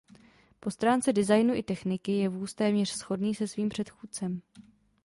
Po stránce designu i techniky je vůz téměř shodný se svým předchůdcem.